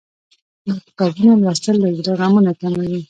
د کتابونو لوستل له زړه غمونه کموي.